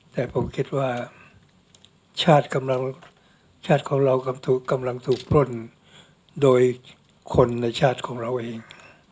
แต่ผมคิดว่าชาติกำลังชาติของเรากำลังถูกปล้นโดยคนในชาติของเราเอง